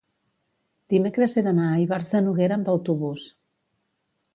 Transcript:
dimecres he d'anar a Ivars de Noguera amb autobús.